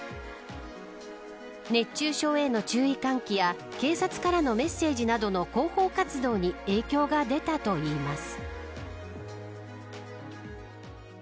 熱中症への注意喚起や警察からのメッセージなどの広報活動に影響が出たといいます。